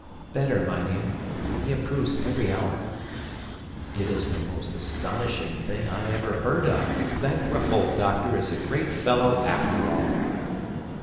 "Better, mynheer. He improves every hour." "It is the most astonishing thing I ever heard of. That gruff old doctor is a great fellow after all."